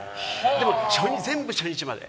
でも全部初日まで。